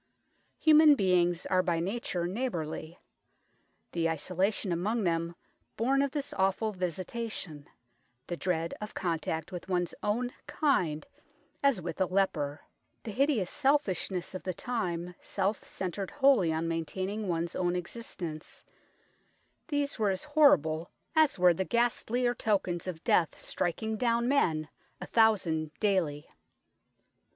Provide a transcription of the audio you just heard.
Human beings are by nature neighbourly. The isolation among them born of this awful visitation ; the dread of contact with one's own kind, as with a leper ; the hideous selfishness of the time, self centred wholly on maintaining one's own existence these were as horrible as 214 UNKNOWN LONDON were the ghastlier tokens of death striking down men a thousand daily.